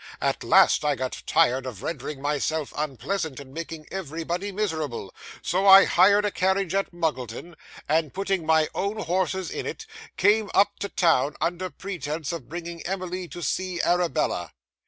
'At last I got tired of rendering myself unpleasant and making everybody miserable; so I hired a carriage at Muggleton, and, putting my own horses in it, came up to town, under pretence of bringing Emily to see Arabella.